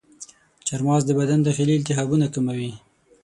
چارمغز د بدن داخلي التهابونه کموي.